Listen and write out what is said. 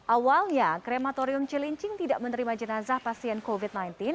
awalnya krematorium cilincing tidak menerima jenazah pasien covid sembilan belas